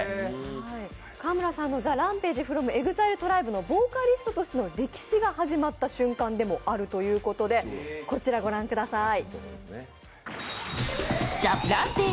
川村さんのＴＨＥＲＡＭＰＡＧＥｆｒｏｍＥＸＩＬＥＴＲＩＢＥのボーカリストとしての歴史が始まった瞬間でもあるということで、こちらご覧ください。